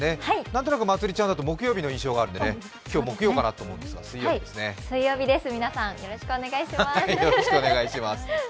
何となくまつりちゃんだと木曜の印象があるので、今日木曜かなと思うけど、水曜日です、皆さんよろしくお願いします。